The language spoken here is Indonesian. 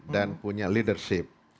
dan punya leadership